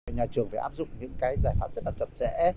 nhà trường phải áp dụng những cái giải pháp chất đặc trật trẻ